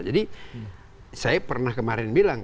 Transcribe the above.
jadi saya pernah kemarin bilang